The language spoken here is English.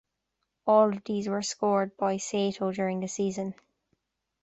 All of these were scored by Sato during the season.